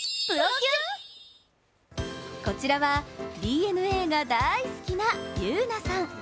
こちらはＤｅＮＡが大好きな優来さん。